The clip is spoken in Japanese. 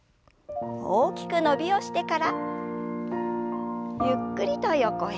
大きく伸びをしてからゆっくりと横へ。